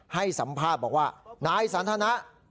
ให้สัมภาษณ์บอกว่านายสันทนะ